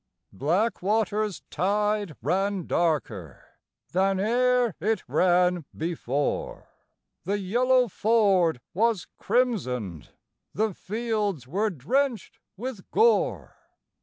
Blackwater's tide ran darker than e'er it ran before, The "Yellow Ford" was crimsoned, the fields were drenched with gore.